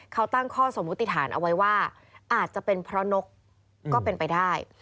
เขาตั้งข้อสมมุติฐานเอาไว้ว่าอาจจะเป็นเพราะนกก็เป็นไปได้